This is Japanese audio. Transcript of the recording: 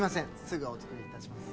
すぐお作りいたします